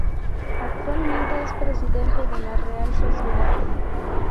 Actualmente, es presidente de la Real Sociedad.